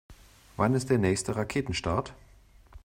Wann ist der nächste Raketenstart?